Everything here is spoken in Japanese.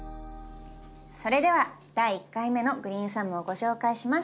それでは第１回目のグリーンサムをご紹介します。